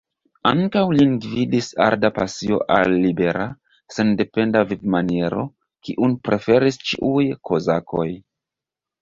Ankaŭ lin gvidis arda pasio al libera, sendependa vivmaniero, kiun preferis ĉiuj kozakoj.